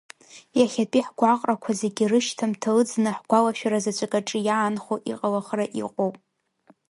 Иахьатәи ҳгәаҟрақәа зегьы рышьҭамҭа ыӡны, ҳгәалашәара заҵәык аҿы иаанхо иҟалахра иҟоуп!